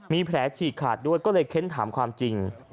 มีแผลฉีกขาดด้วยก็เลยเค้นถามความจริง